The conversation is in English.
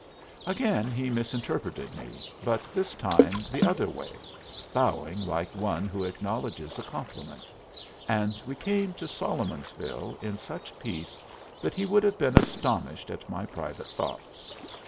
Again he misinterpreted me, but this time the other way, bowing like one who acknowledges a compliment; and we came to Solomonsville in such peace that he would have been astonished at my private thoughts.